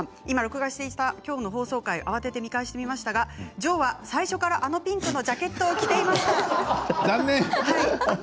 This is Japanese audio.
今、録画したきょうの放送回を慌てて見直してみましたがジョーは最初からあのピンクのジャケットを着ています。